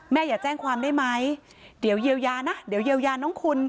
อย่าแจ้งความได้ไหมเดี๋ยวเยียวยานะเดี๋ยวเยียวยาน้องคุณ